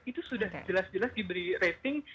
itu sudah jelas jelas diberi rating